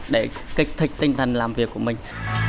để kích thích tinh thần làm việc của mình